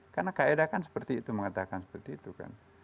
karena kaedah kan seperti itu mengatakan seperti itu kan